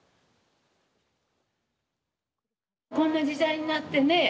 こんな時代になってね